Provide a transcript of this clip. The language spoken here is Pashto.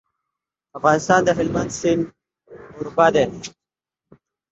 افغانستان د هلمند سیند کوربه دی.